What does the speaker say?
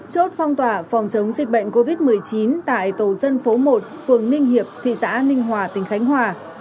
chốt phong tỏa phòng chống dịch bệnh covid một mươi chín tại tổ dân phố một phường ninh hiệp thị xã ninh hòa tỉnh khánh hòa